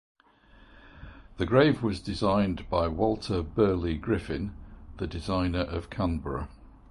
The grave was designed by Walter Burley Griffin, the designer of Canberra.